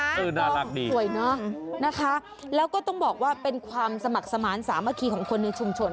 เออน่ารักดีสวยเนอะนะคะแล้วก็ต้องบอกว่าเป็นความสมัครสมานสามัคคีของคนในชุมชน